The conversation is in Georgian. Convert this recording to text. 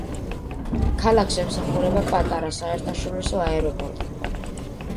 ქალაქს ემსახურება პატარა საერთაშორისო აეროპორტი.